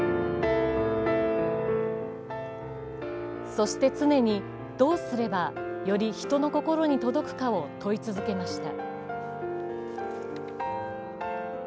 そして常にどうすれば、より人の心に届くかを問い続けました。